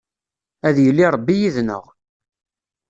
Ad yili Ṛebbi yid-neɣ.